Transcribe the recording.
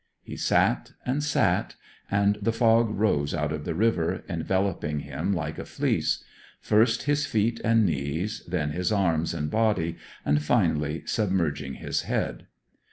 He sat and sat, and the fog rose out of the river, enveloping him like a fleece; first his feet and knees, then his arms and body, and finally submerging his head.